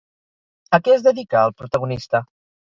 A què es dedica el protagonista?